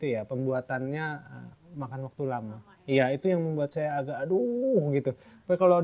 ini juga yang saya ingin kasih tau